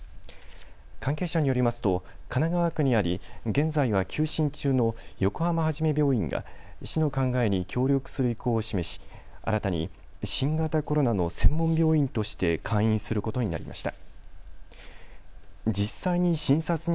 関係者によりますと神奈川区にあり現在は休診中の横浜はじめ病院が市の考えに協力する意向を示し、新たに新型コロナの専門病院として開院することになりました。